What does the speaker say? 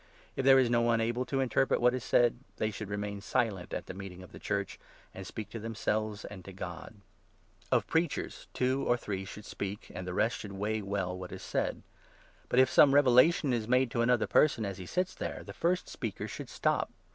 If there is no one 28 able to interpret what is said, they should remain silent at the meeting of the Church, and speak to themselves and to God. Of preachers two or three should speak, and the rest 29 should weigh well what is said. But, if some revelation is 30 made to another person as he sits there, the first speaker should stop.